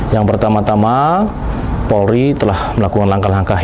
yang pertama tama polri telah melakukan langkah langkah